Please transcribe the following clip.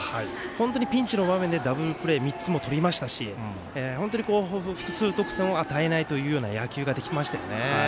本当にピンチの場面でダブルプレー３つもとりましたし本当に複数得点を与えないというような野球ができましたよね。